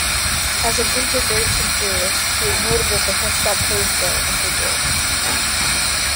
As an Integration theorist, he is notable for Henstock-Kurzweil integral.